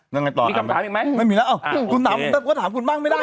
ยังไงต่อมีคำถามอีกไหมไม่มีแล้วคุณถามก็ถามคุณบ้างไม่ได้